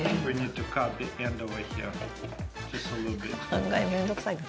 案外面倒くさいな。